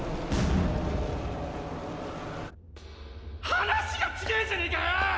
話が違ぇじゃねぇかよオ！！